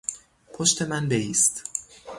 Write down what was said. پشت من بایست.